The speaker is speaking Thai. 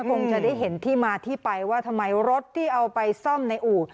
คงจะได้เห็นที่มาที่ไปว่าทำไมรถที่เอาไปซ่อมในอู่